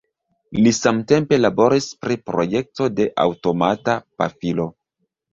Li samtempe laboris pri projekto de aŭtomata pafilo.